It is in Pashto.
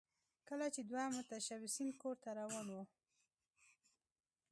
کله چې دوه متشبثین کور ته روان وو